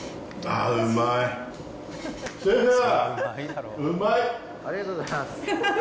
ありがとうございます！